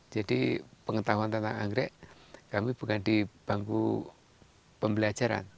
jadi pengetahuan tentang anggrek kami bukan di bangku pembelajaran